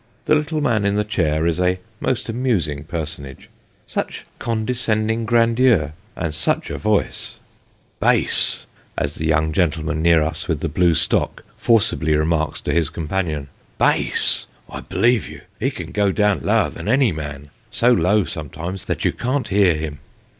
The little man in the chair is a most amusing personage, such condescending grandeur, and such a voice !" Bass !" as the young gentleman near us with the blue stock forcibly remarks to his companion, " bass ! I b'lieve you ; he can go down lower than any man : so low sometimes that you can't hear him."